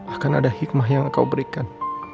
akan ada hikmah yang engkau berikan